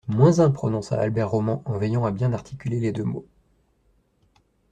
Moins un, prononça Albert Roman en veillant à bien articuler les deux mots.